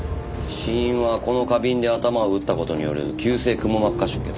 死因はこの花瓶で頭を打った事による急性くも膜下出血。